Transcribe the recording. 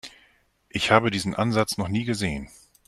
Ich habe diesen Ansatz noch nie gesehen.